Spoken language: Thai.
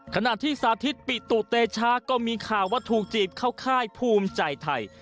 ขณะที่สาธิตปิตุเตชาก็มีข่าวว่าถูกจีบเข้าค่ายภูมิใจไทย